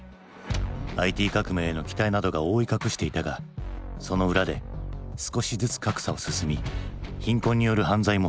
ＩＴ革命への期待などが覆い隠していたがその裏で少しずつ格差は進み貧困による犯罪も増えていく。